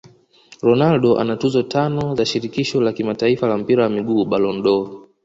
Ronaldo ana tuzo tano za shirikisho la kimataifa la mpira wa miguu Ballon dOr